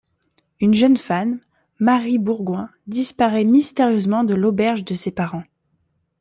Une jeune femme, Marie Bourgoin, disparaît mystérieusement de l'auberge de ses parents.